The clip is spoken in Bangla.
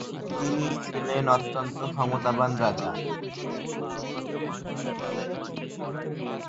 তিনি ছিলেন অত্যন্ত ক্ষমতাবান রাজা।